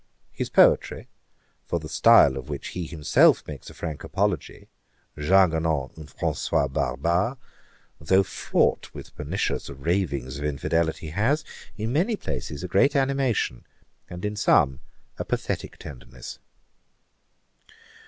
His poetry, for the style of which he himself makes a frank apology, 'Jargonnant un François barbare,' though fraught with pernicious ravings of infidelity, has, in many places, great animation, and in some a pathetick tenderness.